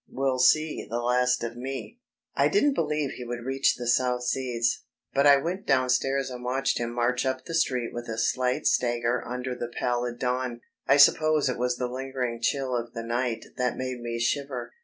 Will see the last of me...." I didn't believe he would reach the South Seas, but I went downstairs and watched him march up the street with a slight stagger under the pallid dawn. I suppose it was the lingering chill of the night that made me shiver.